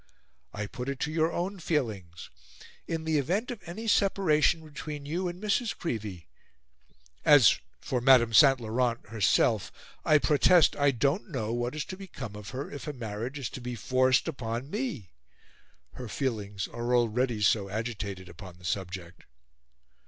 I put it to your own feelings in the event of any separation between you and Mrs. Creevey... As for Madame St. Laurent herself, I protest I don't know what is to become of her if a marriage is to be forced upon me; her feelings are already so agitated upon the subject."